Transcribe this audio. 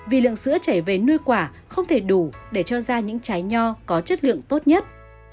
vì lượng sữa chảy về nuôi quả không thể đủ để cho ra những trái nho có chất lượng tốt nhất